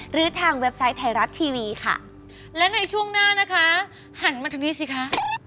หรือทางเว็บไซต์ไทยรัฐทีวีค่ะและในช่วงหน้านะคะหันมาทางนี้สิคะ